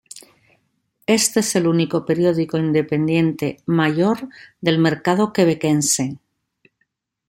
Éste es el único periódico independiente mayor del mercado quebequense.